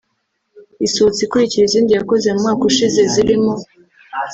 Isohotse ikurikira izindi yakoze mu mwaka ushize zirimo